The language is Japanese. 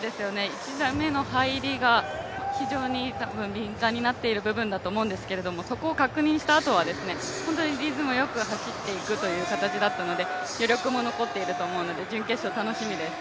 １台目の入りが敏感になっている部分だと思うんですけど、そこを確認したあとは本当にリズムよく走っていくという形だったので余力も残っていると思うので、準決勝楽しみです。